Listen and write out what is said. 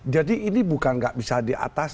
jadi ini bukan gak bisa di atasi